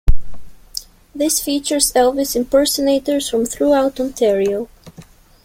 This features Elvis impersonators from throughout Ontario.